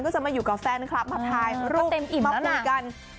ก็จะมาอยู่กับแฟนคลับมาพายลูกมาพูดกัน